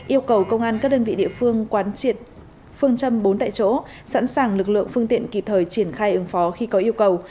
yêu cầu công an các đơn vị địa phương quán triệt phương châm bốn tại chỗ sẵn sàng lực lượng phương tiện kịp thời triển khai ứng phó khi có yêu cầu